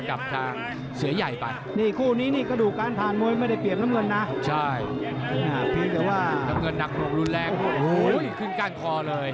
ดับเงินดักหลวงรุนแรกขึ้นกาลคอเลย